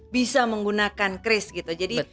bisa menggunakan kris gitu jadi